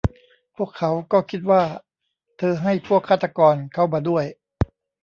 พวกเขาก็คิดว่าเธอให้พวกฆาตกรเข้ามาด้วย